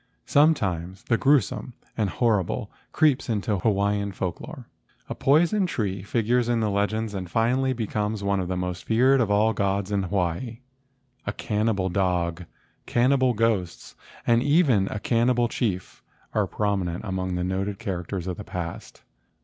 Sometimes the gruesome and horrible creeps into Hawaiian folk lore. A poison tree figures in the legends and finally becomes one of the most feared of all the gods of Hawaii. A can xii INTRODUCTION nibal dog, cannibal ghosts, and even a cannibal chief are prominent among the noted characters of the past.